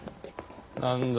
何だ？